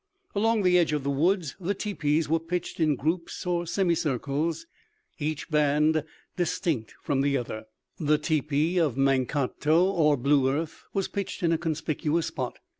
Along the edge of the woods the teepees were pitched in groups or semi circles, each band distinct from the others. The teepee of Mankato or Blue Earth was pitched in a conspicuous spot.